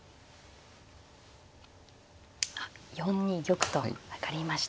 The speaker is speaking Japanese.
あっ４二玉と上がりました。